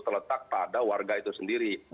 terletak pada warga itu sendiri